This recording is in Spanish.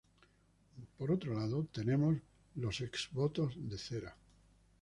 Por otro lado, tenemos los exvotos de cera.